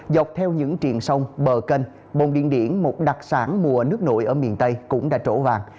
dọc theo những triền sông bờ kênh bông điện điển một đặc sản mùa nước nội ở miền tây cũng đã trổ vàng